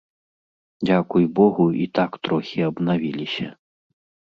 Дзякуй богу, і так трохі абнавіліся.